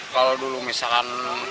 kalau dulu misalkan